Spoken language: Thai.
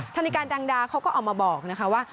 ธนิการด่างดาเค้าก็ออกมาบอกว่า